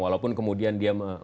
walaupun kemudian dia